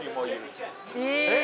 えっ？